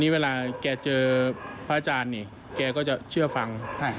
เวลาแกเจอพระอาจารย์นี่แกก็จะเชื่อฟัง